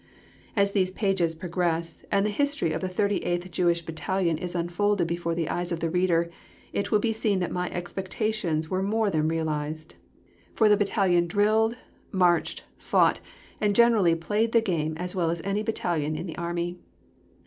As these pages progress, and the history of the 38th Jewish Battalion is unfolded before the eyes of the reader, it will be seen that my expectations were more than realised, for the Battalion drilled, marched, fought, and generally played the game as well as any battalion in the Army.